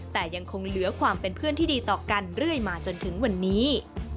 แต่ยังคงเหลือความเป็นเพื่อนที่ดีต่อกันเรื่อยมาจนถึงวันนี้